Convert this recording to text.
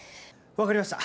分かりました。